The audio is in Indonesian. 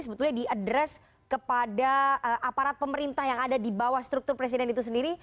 sebetulnya diadres kepada aparat pemerintah yang ada di bawah struktur presiden itu sendiri